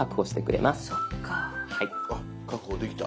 あっ確保できた。